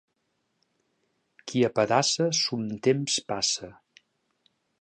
Qui apedaça son temps passa.